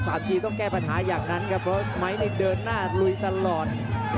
ทีต้องแก้ปัญหาอย่างนั้นครับเพราะไม้นี่เดินหน้าลุยตลอด